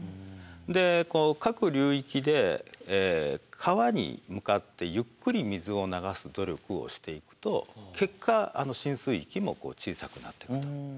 で各流域で川に向かってゆっくり水を流す努力をしていくと結果浸水域も小さくなってくと。